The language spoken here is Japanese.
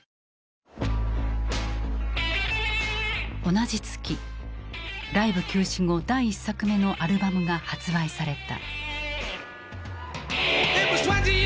同じ月ライブ休止後第１作目のアルバムが発売された。